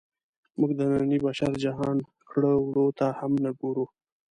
موږ د ننني بشري جهان کړو وړو ته هم نه ګورو.